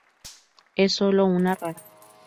Es solo una rara.